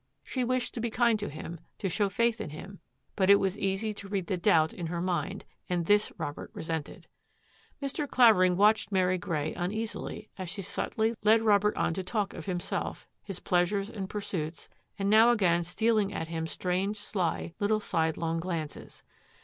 She wished to be kind to him, to show faith in him, but it was easy to read the doubt in her mind, and this Robert resented. Mr. Clavering watched Mary Grey imeasily as she subtly led Robert on to talk of himself, his pleasures and pursuits, now and again stealing at him strange, sly little sidelong glances.